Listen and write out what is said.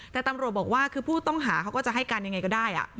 แต่ตำรวจบอกว่าคือผู้ต้องหาเขาก็จะให้การยังไงก็ได้